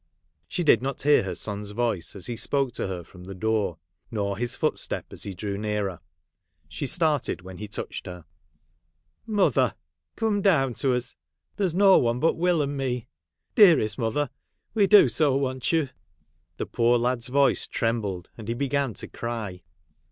She did not hear her son's voice, as he spoke to her from the door, nor his footstep as he drew nearer. She started when he touched her. ' Mother ! come down to us. There 's no one but "Will and me. Dearest mother, we do so want you.' The poor lad's voice trem bled, and he began to cry.